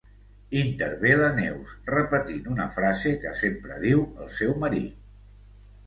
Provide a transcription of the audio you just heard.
Intervé la Neus repetint una frase que sempre diu el seu marit.